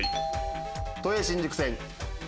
都営新宿線。